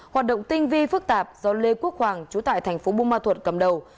hoạt động tinh vi phức tạp do lê quốc hoàng chú tại thành phố bumathuot cầm đầu